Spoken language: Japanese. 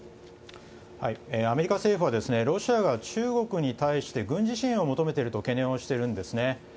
アメリカ政府はロシアが中国に対して軍事支援を求めていると懸念をしているんですね。